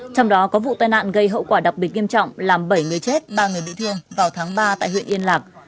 trong đó có vụ tai nạn gây hậu quả đặc biệt nghiêm trọng làm bảy người chết ba người bị thương vào tháng ba tại huyện yên lạc